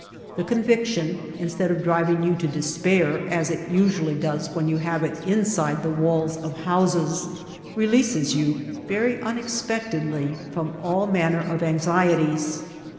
This con viction, instead of driving you to despair as it usually does when you have it inside the walls of houses, releases you very unexpectedly from White Heart of Mojave all manner of anxieties.